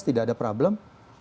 tidak ada problem